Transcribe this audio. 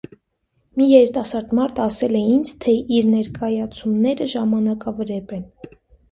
Մի երիտասարդ մարդ ասել է ինձ, թե իմ ներկայացումները ժամանակավրեպ են։